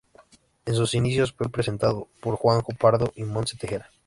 En sus inicios fue presentado por Juanjo Pardo y Montse Tejera.